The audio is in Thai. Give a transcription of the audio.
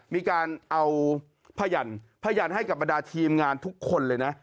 มีการเอาพยันพยันให้กับบรรดาทีมงานทุกคนเลยนะ